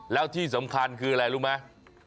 แล้วที่สำคัญคืออะไรรู้ไหม